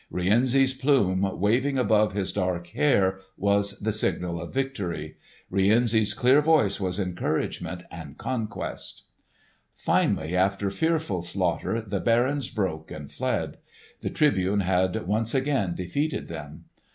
Rienzi's plume waving above his dark hair was the signal of victory. Rienzi's clear voice was encouragement and conquest. Finally after fearful slaughter the barons broke and fled. The Tribune had once again defeated them.